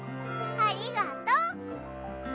ありがとう！